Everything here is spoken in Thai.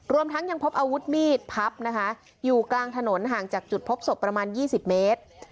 รวมทั้งยังพบอาวุธมีดพับนะคะอยู่กลางถนนห่างจากจุดพบศพประมาณ๒๐เมตร